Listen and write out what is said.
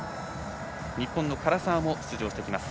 日本の唐澤も出場してきます。